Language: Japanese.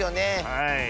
はい。